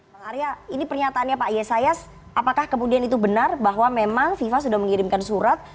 bang arya ini pernyataannya pak yesayas apakah kemudian itu benar bahwa memang fifa sudah mengirimkan surat